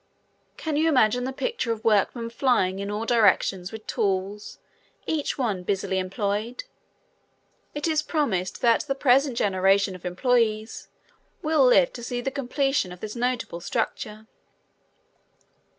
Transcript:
Can you imagine the picture of workmen flying in all directions with tools, each one busily employed? It is promised that the present generation of employees will live to see the completion of this notable structure.